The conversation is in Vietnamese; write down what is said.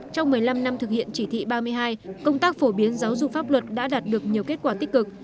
trong một mươi năm năm thực hiện chỉ thị ba mươi hai công tác phổ biến giáo dục pháp luật đã đạt được nhiều kết quả tích cực